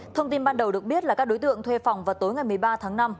thông tin ban đầu được biết là các đối tượng thuê phòng vào tối ngày một mươi ba tháng năm